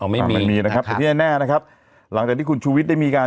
ไม่มีมีนะครับแต่ที่แน่นะครับหลังจากที่คุณชูวิทย์ได้มีการ